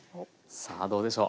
さあどうでしょう。